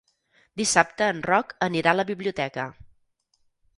Dissabte en Roc anirà a la biblioteca.